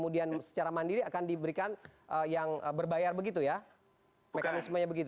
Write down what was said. kemudian secara mandiri akan diberikan yang berbayar begitu ya mekanismenya begitu